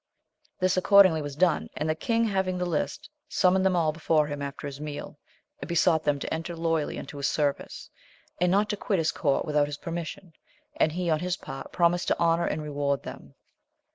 This accordingly was done, and the king having the list, summoned them all before him after his meal, and besought them to enter loyally into his service, and not to quit his court without his permission, and he on his part promised to honour and reward them.